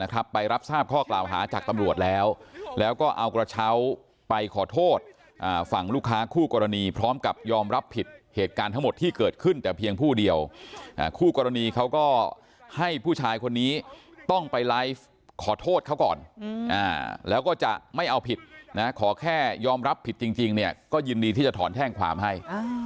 ไปรับทราบข้อกล่าวหาจากตำรวจแล้วแล้วก็เอากระเช้าไปขอโทษฝั่งลูกค้าคู่กรณีพร้อมกับยอมรับผิดเหตุการณ์ทั้งหมดที่เกิดขึ้นแต่เพียงผู้เดียวคู่กรณีเขาก็ให้ผู้ชายคนนี้ต้องไปไลฟ์ขอโทษเขาก่อนแล้วก็จะไม่เอาผิดนะขอแค่ยอมรับผิดจริงเนี่ยก็ยินดีที่จะถอนแจ้งความให้